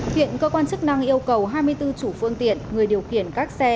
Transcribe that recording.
hiện cơ quan chức năng yêu cầu hai mươi bốn chủ phương tiện người điều khiển các xe